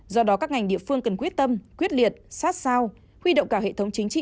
do đó các ngành địa phương cần quyết tâm quyết liệt sát sao huy động cả hệ thống chính trị